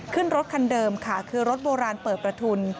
ขึ้นรถคันเดิมค่ะคือรถโบราณเปิดประทุน